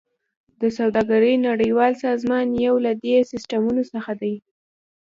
د سوداګرۍ نړیوال سازمان یو له دې سیستمونو څخه دی